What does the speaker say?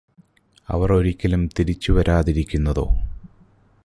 അവര് ഒരിക്കലും തിരിച്ചുവരാതിരിക്കുന്നതോ